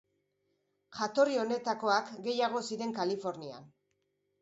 Jatorri honetakoak gehiago ziren Kalifornian.